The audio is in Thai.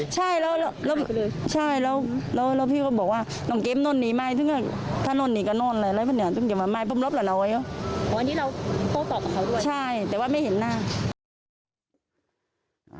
ใช่แต่ว่าไม่เห็นหน้า